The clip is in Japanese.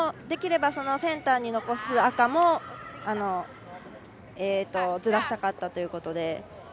できればセンターに残す赤もずらしたかったということで。